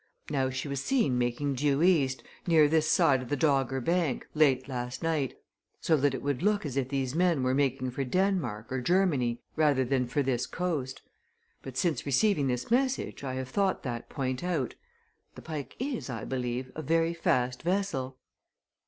Now she was seen making due east, near this side of the Dogger Bank, late last night so that it would look as if these men were making for Denmark, or Germany, rather than for this coast. But since receiving this message, I have thought that point out. The Pike is, I believe, a very fast vessel?"